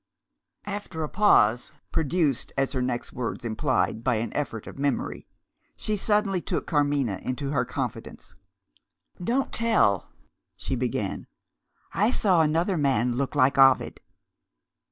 After a pause produced, as her next words implied, by an effort of memory she suddenly took Carmina into her confidence. "Don't tell!" she began. "I saw another man look like Ovid."